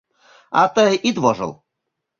— А тый ит вожыл.